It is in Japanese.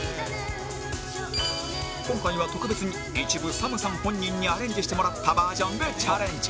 今回は特別に一部 ＳＡＭ さん本人にアレンジしてもらったバージョンでチャレンジ